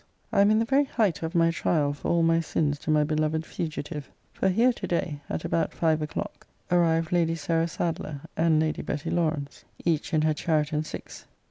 I am in the very height of my trial for all my sins to my beloved fugitive. For here to day, at about five o'clock, arrived Lady Sarah Sadleir and Lady Betty Lawrance, each in her chariot and six.